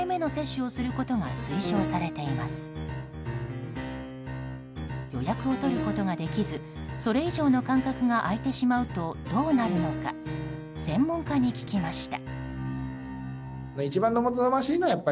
予約を取ることができずそれ以上の間隔が空いてしまうとどうなるのか専門家に聞きました。